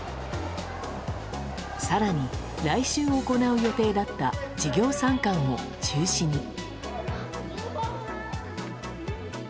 更に、来週行う予定だった授業参観も中止に。